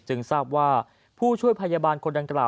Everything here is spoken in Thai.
ทราบว่าผู้ช่วยพยาบาลคนดังกล่าว